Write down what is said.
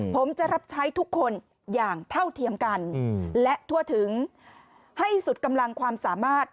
ผมจะรับใช้ทุกคนอย่างเท่าเทียมกันและทั่วถึงให้สุดกำลังความสามารถ